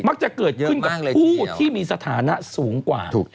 จะเกิดขึ้นกับผู้ที่มีสถานะสูงกว่า